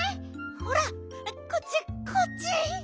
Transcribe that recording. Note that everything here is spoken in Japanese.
ほらこっちこっち。